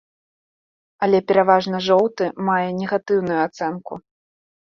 Але пераважна жоўты мае негатыўную ацэнку.